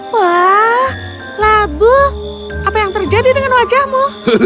wah labu apa yang terjadi dengan wajahmu